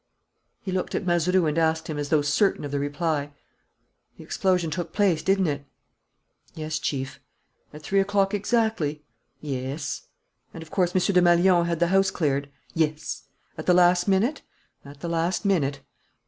He looked at Mazeroux and asked him, as though certain of the reply: "The explosion took place, didn't it?" "Yes, Chief." "At three o'clock exactly?" "Yes." "And of course M. Desmalions had the house cleared?" "Yes." "At the last minute?" "At the last minute."